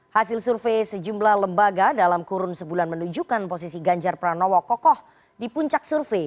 hasil survei sejumlah lembaga dalam kurun sebulan menunjukkan posisi ganjar pranowo kokoh di puncak survei